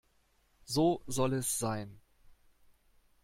So soll es sein.